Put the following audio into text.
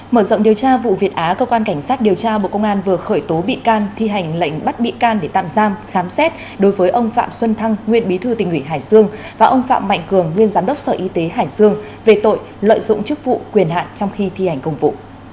mở rộng điều tra vụ việt á cơ quan cảnh sát điều tra bộ công an vừa khởi tố bị can thi hành lệnh bắt bị can để tạm giam khám xét đối với ông phạm xuân thăng nguyên bí thư tỉnh ủy hải dương và ông phạm mạnh cường nguyên giám đốc sở y tế hải dương về tội lợi dụng chức vụ quyền hạn trong khi thi hành công vụ